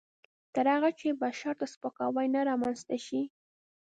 تر هغه چې بشر ته سپکاوی نه رامنځته شي.